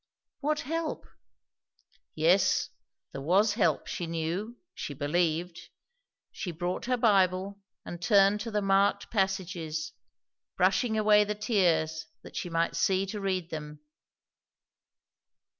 What help? Yes, there was help, she knew, she believed. She brought her Bible and turned to the marked passages, brushing away the tears that she might see to read them.